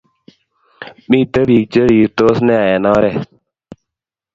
Miten pik che rirtos nea en oret